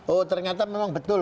oh ternyata memang betul